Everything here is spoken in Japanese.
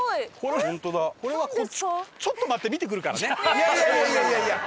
いやいやいやいやいやいや！